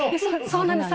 そうなんです。